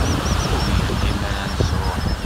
Ur d-yeqqim ara nesruḥ.